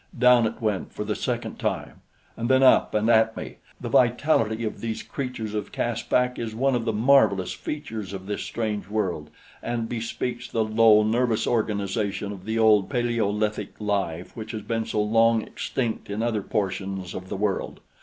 Down it went for the second time and then up and at me. The vitality of these creatures of Caspak is one of the marvelous features of this strange world and bespeaks the low nervous organization of the old paleolithic life which has been so long extinct in other portions of the world.